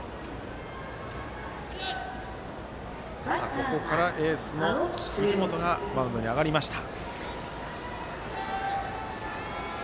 ここからエースの藤本がマウンドに上がりました。